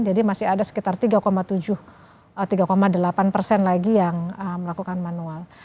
jadi masih ada sekitar tiga tujuh tiga delapan lagi yang melakukan manual